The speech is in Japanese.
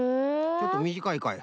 ちょっとみじかいかい。